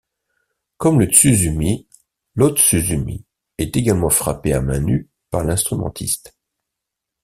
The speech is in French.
Comme le tsuzumi, l'ōtsuzumi est également frappé à mains nues par l'instrumentiste.